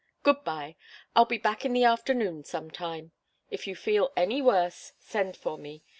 Good bye. I'll be back in the afternoon, sometime. If you feel any worse, send for me.